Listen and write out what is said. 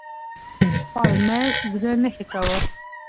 پالمر زړه نه ښه کاوه.